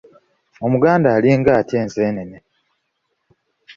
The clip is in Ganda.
Omuganda alinga atya enseenene?